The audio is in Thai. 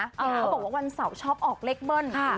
เขาบอกว่าวันเสาร์ชอบออกเลขเบิ้ล